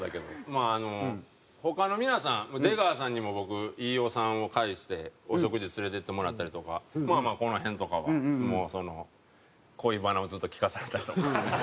まああの他の皆さん出川さんにも僕飯尾さんを介してお食事連れて行ってもらったりとかまあまあこの辺とかはもう恋バナをずっと聞かされたりとか。